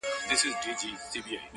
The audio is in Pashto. • یوه ورځ یې د سپي سترګي وې تړلي -